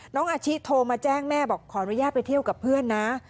น้องอาชิโทรมาแจ้งแม่บอกขออนุญาตไปเที่ยวกับเพื่อนนะ